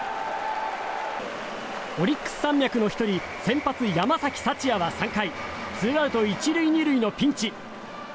オリックス山脈の１人先発、山崎福也は３回ツーアウト１塁２塁のピンチ。